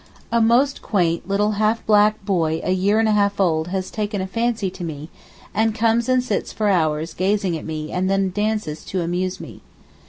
A most quaint little half black boy a year and a half old has taken a fancy to me and comes and sits for hours gazing at me and then dances to amuse me.